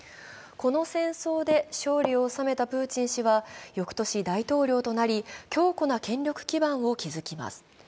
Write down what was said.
この戦争で勝利を収めたプーチン氏は翌年大統領となり、強固な権力基盤を築きます。